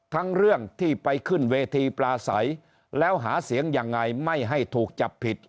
ทั้งเรื่องที่ไปขึ้นเวทีปลาใสแล้วหาเสียงยังไงไม่ให้ถูกจับผิด